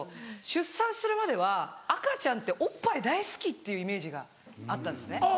出産するまでは赤ちゃんっておっぱい大好きっていうイメージがあったんですね。